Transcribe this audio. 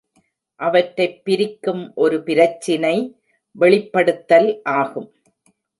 அவற்றைப் பிரிக்கும் ஒரு பிரச்சினை வெளிப்படுத்தல் ஆகும்.